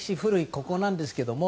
ここなんですけど。